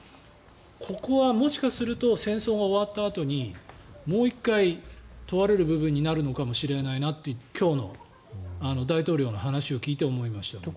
ここはもしかすると戦争が終わったあとにもう１回、問われる部分になるかもしれないなって今日の大統領の話を聞いて思いますね。